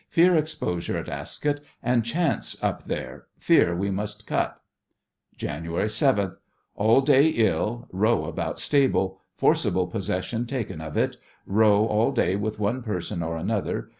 Fear exposure at Ascot, and chance up there. Fear we must cut." "Jan. 7th. All day ill. Row about stable. Forcible possession taken of it. Row all day with one person or another.